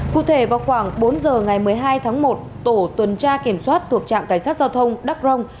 cụ thể vào khoảng bốn giờ ngày một mươi hai tháng một tổ tuần tra kiểm soát thuộc trạm cảnh sát giao thông đắc rông